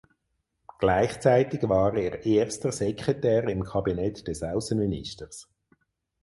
Gleichzeitig war er Erster Sekretär im Kabinett des Außenministers.